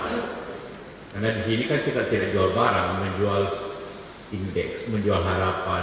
karena di sini kan kita tidak jual barang menjual indeks menjual harapan